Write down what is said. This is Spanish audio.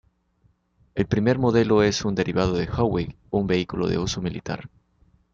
El primer modelo es un derivado del Humvee, un vehículo de uso militar.